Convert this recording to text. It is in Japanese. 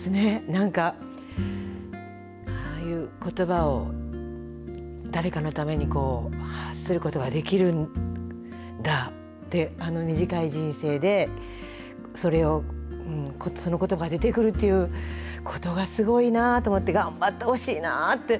なんか、ああいうことばを誰かのために発することができるんだって、あの短い人生で、それを、そのことばが出てくるっていうことがすごいなと思って、頑張ってほしいなと思って。